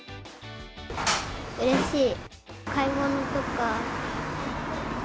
うれしい。